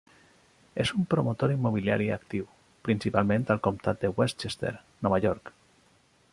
És un promotor immobiliari actiu, principalment al comtat de Westchester, Nova York.